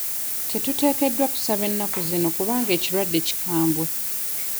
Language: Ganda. Tetuteekeddwa kusaba ennaku zino kubanga ekirwadde kikambwe.